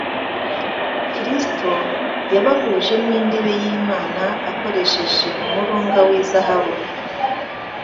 Kristo yabahuje n'intebe y'Imana akoresheje umurunga w'izahabu,